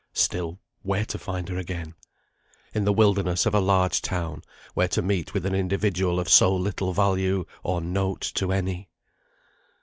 Still, where to find her again? In the wilderness of a large town, where to meet with an individual of so little value or note to any?